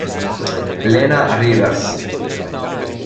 Lena Rivers